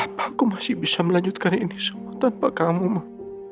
apa aku masih bisa melanjutkan ini semua tanpa kamu